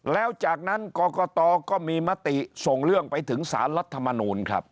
แล้วจากนั้นกรกตก็มีมติส่งเรื่องไปถึงสารรัฐมนูลครับ